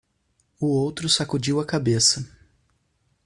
O outro sacudiu a cabeça.